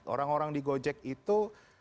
orang orang di gojek itu